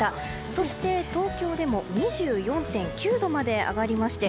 そして東京でも２４．９度まで上がりまして